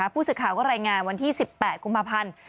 ผู้ศึกข่าวก็แรงงานวันที่๑๘กุมภัณฑ์